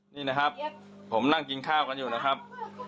นี่นะครับผมนั่งกินข้าวกันอยู่นะครับ